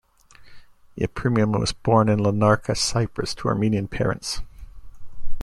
Yepremian was born in Larnaca, Cyprus to Armenian parents.